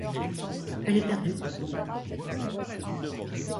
Elle est perdue.